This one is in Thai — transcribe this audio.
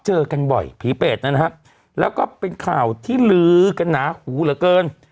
เจอกันบ่อยผีเปรตนะฮะแล้วก็เป็นข่าวที่ลือกันหนาหูเหลือเกิน